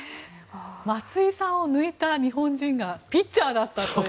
松井さんを抜いた日本人がピッチャーだったという。